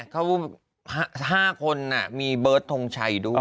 เขา๕คนมีเบิร์ตทงชัยด้วย